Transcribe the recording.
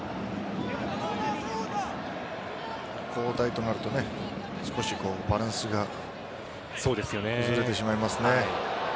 交代となると、少しバランスが崩れてしまいますね。